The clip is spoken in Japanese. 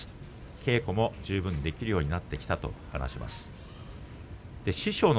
稽古も十分できるようになってきたと話している琴勝峰。